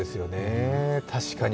確かに。